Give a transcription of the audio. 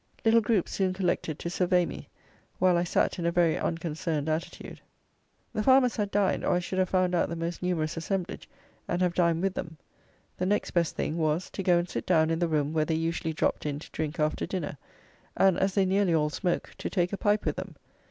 Little groups soon collected to survey me, while I sat in a very unconcerned attitude. The farmers had dined, or I should have found out the most numerous assemblage, and have dined with them. The next best thing was, to go and sit down in the room where they usually dropped in to drink after dinner; and, as they nearly all smoke, to take a pipe with them.